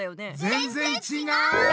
ぜんぜんちがう！